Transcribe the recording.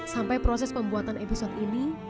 sampai proses pembuatan episode ini